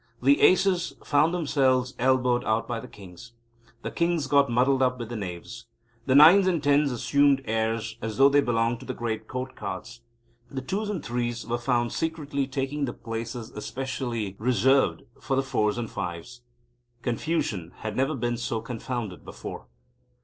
The Aces found themselves elbowed out by the Kings. The Kings got muddled up with the Knaves. The Nines and Tens assumed airs as though they belonged to the Great Court Cards. The Twos and Threes were found secretly taking the places specially resented for the Fours and Fives. Confusion had never been so confounded before.